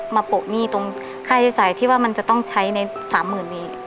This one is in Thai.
มาปกหนี้ในค่ายสจายที่ว่ามันจะต้องใช้ใน๓๐๐๐๐เหรียญ